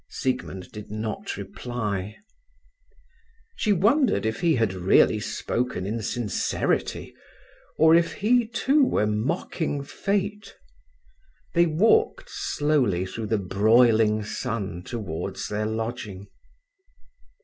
Siegmund did not reply. She wondered if he had really spoken in sincerity, or if he, too, were mocking fate. They walked slowly through the broiling sun towards their lodging.